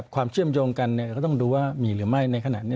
ความเชื่อมโยงกันก็ต้องดูว่ามีหรือไม่ในขณะนี้